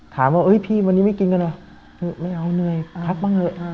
ถามว่าพี่วันนี้ไม่กินกันเหรอไม่เอาเหนื่อยพักบ้างเถอะ